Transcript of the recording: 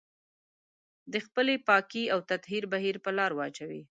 د خپلې پاکي او تطهير بهير په لار واچوي.